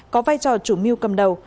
có vai trò chủ mưu cầm đầu